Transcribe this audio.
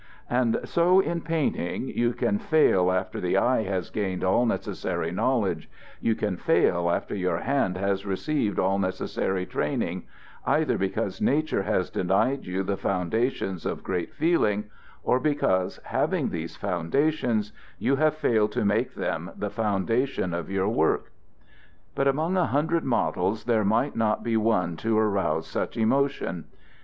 And so in painting you can fail after the eye has gained all necessary knowledge, you can fail after your hand has received all necessary training, either because nature has denied you the foundations of great feeling, or because, having these foundations, you have failed to make them the foundations of your work. "But among a hundred models there might not be one to arouse such emotion.